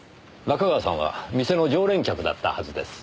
仲川さんは店の常連客だったはずです。